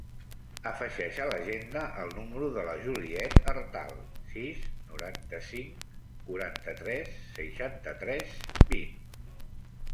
Afegeix a l'agenda el número de la Juliet Artal: sis, noranta-cinc, quaranta-tres, seixanta-tres, vint.